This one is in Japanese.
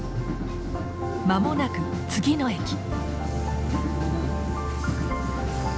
間もなく次の駅。